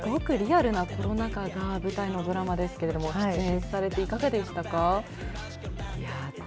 すごくリアルなコロナ禍が舞台のドラマですけれども、出演されていかがでしたか？